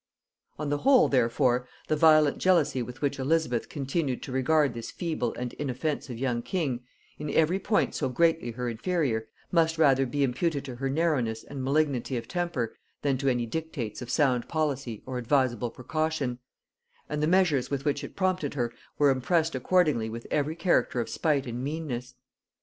On the whole, therefore, the violent jealousy with which Elizabeth continued to regard this feeble and inoffensive young king, in every point so greatly her inferior, must rather be imputed to her narrowness and malignity of temper than to any dictates of sound policy or advisable precaution; and the measures with which it prompted her were impressed accordingly with every character of spite and meanness.